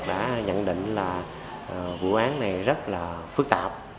đã nhận định là vụ án này rất là phức tạp